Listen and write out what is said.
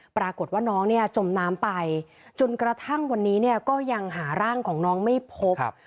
ปรากฏว่าน้องเนี่ยจมน้ำไปจนกระทั่งวันนี้เนี่ยก็ยังหาร่างของน้องไม่พบ